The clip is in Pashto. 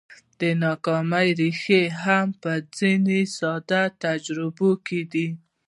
د ناکامۍ ريښې هم په ځينو ساده تجربو کې دي.